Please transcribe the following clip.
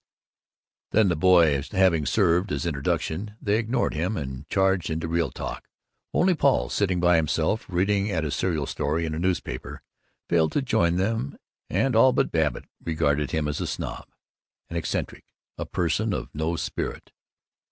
Then, the boy having served as introduction, they ignored him and charged into real talk. Only Paul, sitting by himself, reading at a serial story in a newspaper, failed to join them, and all but Babbitt regarded him as a snob, an eccentric, a person of no spirit.